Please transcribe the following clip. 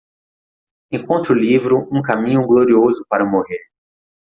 Encontre o livro Um Caminho Glorioso para Morrer